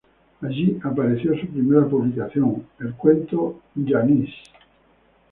Allí apareció su primera publicación: el cuento "Janice".